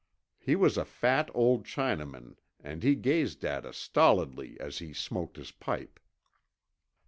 He was a fat old Chinaman and he gazed at us stolidly as he smoked his pipe.